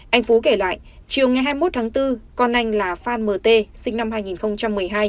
anh phú kể lại chiều ngày hai mươi một tháng bốn con anh là phan m t sinh năm hai nghìn một mươi hai